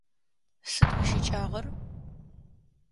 Сыд уищыкӀагъэр?